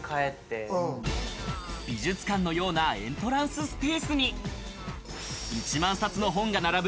美術館のようなエントランススースに、１万冊の本が並ぶ